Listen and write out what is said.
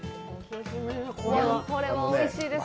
これはおいしいです。